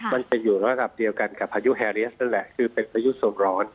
มันจะอยู่ระดับเดียวกันกับพายุแฮเรียสนั่นแหละคือเป็นพายุโซนร้อน